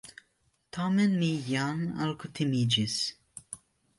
Tamen mi jam alkutimiĝis.